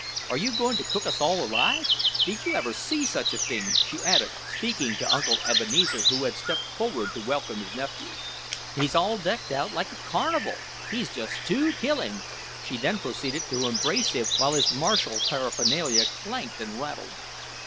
Are you going to cook us all alive? Did you ever see such a thing!" she added, speaking to Uncle Ebenezer who had stepped forward to welcome his nephew. "He's all decked out like a carnival! He's just too killing!" She then proceeded to embrace him while his martial paraphernalia clanked and rattled.